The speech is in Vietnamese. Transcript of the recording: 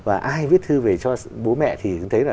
và ai viết thư về cho bố mẹ thì thấy là